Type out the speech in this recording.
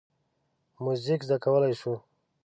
موزیک زده کولی شو.